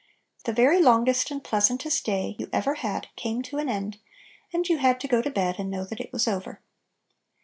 The very longest and pleas antest day you ever had came to an end, and you had to go to bed and know that it was over.